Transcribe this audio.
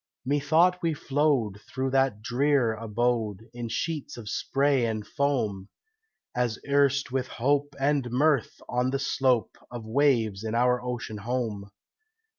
Methought we flowed through that drear abode In sheets of spray and foam, As erst with hope and mirth on the slope Of waves in our ocean home.